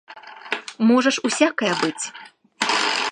Можа ж усякае быць.